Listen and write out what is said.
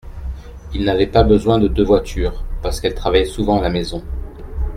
Ils n’avaient pas besoin de deux voitures parce qu’elle travaillait souvent à la maison.